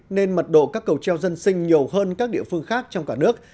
nên mật độ các cầu treo dân sinh nhiều hơn các địa phương khác trong cả nước